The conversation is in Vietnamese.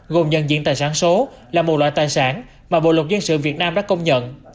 gồm nhận diện tài sản số là một loại tài sản mà bộ luật dân sự việt nam đã công nhận